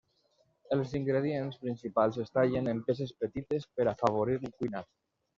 Els ingredients principals es tallen en peces petites per afavorir el cuinat.